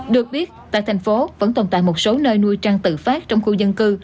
được biết tại thành phố vẫn tồn tại một số nơi nuôi trang tự phát trong khu dân cư